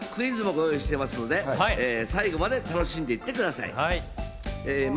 西島さんにはクイズもご用意していますので最後まで楽しんでいってください。